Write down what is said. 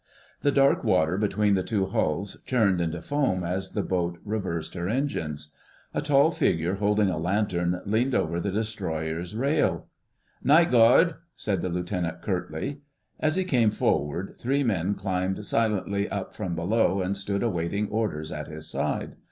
The dark water between the two hulls churned into foam as the boat reversed her engines. A tall figure holding a lantern leaned over the Destroyer's rail. "Night Guard," said the Lieutenant curtly. As he came forward, three men climbed silently up from below and stood awaiting orders at his side.